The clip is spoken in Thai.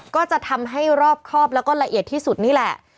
ก็จะทำให้รอบครอบแล้วก็ละเอียดที่สุดนี่แหละ